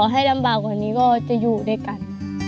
ให้ลำบากกว่านี้ก็จะอยู่ด้วยกัน